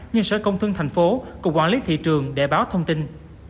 nhưng sở công thương tp hcm cũng quản lý thị trường để báo thông tin